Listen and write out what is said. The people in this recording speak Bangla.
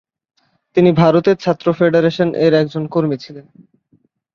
তিনি ভারতের ছাত্র ফেডারেশন-এর একজন কর্মী ছিলেন।